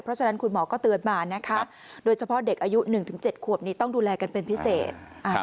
เพราะฉะนั้นคุณหมอก็เตือนมานะคะโดยเฉพาะเด็กอายุ๑๗ขวบนี้ต้องดูแลกันเป็นพิเศษ